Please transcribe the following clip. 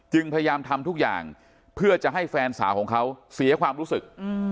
พยายามทำทุกอย่างเพื่อจะให้แฟนสาวของเขาเสียความรู้สึก